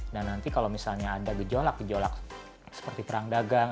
dan nanti kalau misalnya ada gejolak gejolak seperti perang dagang